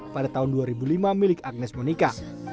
pada tahun dua ribu lima milik agnes monika